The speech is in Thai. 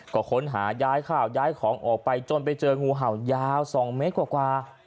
ก็ค้นหาย้ายข้าวย้ายของออกไปจนไปเจองูเห่ายาว๒เมตรกว่า